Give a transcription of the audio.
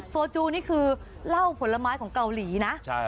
โจนี่คือเหล้าผลไม้ของเกาหลีนะ